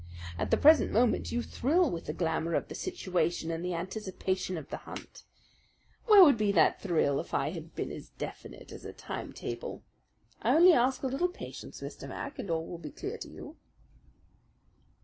At the present moment you thrill with the glamour of the situation and the anticipation of the hunt. Where would be that thrill if I had been as definite as a timetable? I only ask a little patience, Mr. Mac, and all will be clear to you."